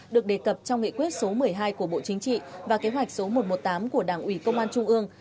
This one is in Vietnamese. được đề cập trong nghị quyết số một mươi hai của bộ chính trị và kế hoạch số một trăm một mươi tám của đảng ủy công an trung ương